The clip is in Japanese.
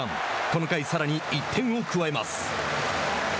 この回、さらに１点を加えます。